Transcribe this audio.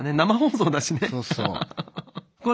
そうそう。